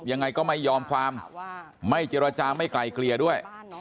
ยังไงก็ไม่ยอมความไม่เจรจาไม่ไกลเกลี่ยด้วย